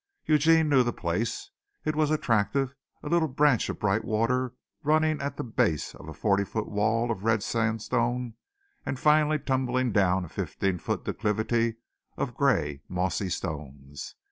Eugene knew the place. It was attractive, a little branch of bright water running at the base of a forty foot wall of red sandstone and finally tumbling down a fifteen foot declivity of grey mossy stones.